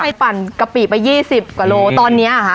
ใครปั่นกะปิกไป๒๐กิโลกรัมตอนนี้อ่ะฮะ